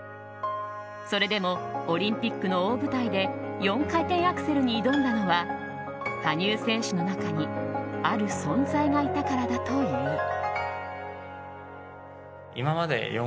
それでもオリンピックの大舞台で４回転アクセルに挑んだのは羽生選手の中にある存在がいたからだという。